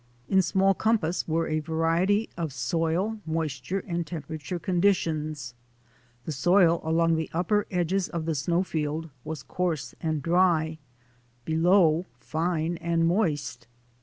In small com pass was a variety of soil, moisture, and tempera ture conditions. The soil along the upper edges of the snowfield was coarse and dry; below, fine and moist.